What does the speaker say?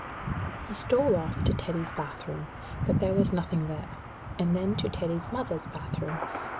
He stole off to Teddy's bath room, but there was nothing there, and then to Teddy's mother's bath room.